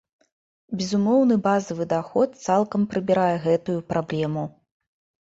Безумоўны базавы даход цалкам прыбірае гэтую праблему.